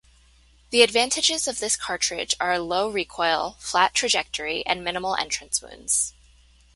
The advantages of this cartridge are low recoil, flat trajectory, and minimal entrance wounds.